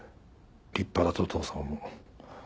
立派だとお父さんは思う。